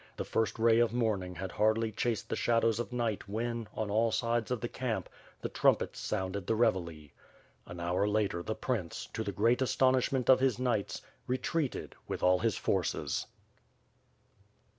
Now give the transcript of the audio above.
The first ray of morning had hardly chased the shadows of night when, on all sides of the camp, the trumpets sounded the revielle. An hour later, the prince, to the great astonishment of his knights, retreated with all his forces.